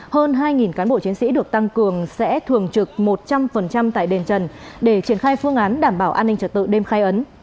hơn hai cán bộ chiến sĩ được tăng cường sẽ thường trực một trăm linh tại đền trần để triển khai phương án đảm bảo an ninh trật tự đêm khai ấn